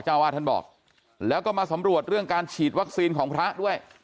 ว่าท่านบอกแล้วก็มาสำรวจเรื่องการฉีดวัคซีนของพระด้วย